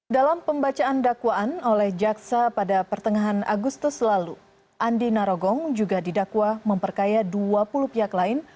dalam pembacaan dakwaan oleh jaksa pada pertengahan agustus lalu andi narogong juga didakwa memperkaya dua puluh pihak lain